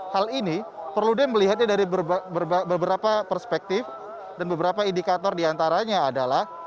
hal ini perludem melihatnya dari beberapa perspektif dan beberapa indikator diantaranya adalah